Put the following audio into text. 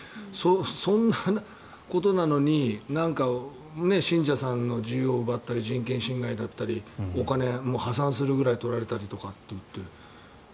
そんなことなのに信者さんの自由を奪ったり人権侵害だったりお金、破産するぐらい取られたりとかって。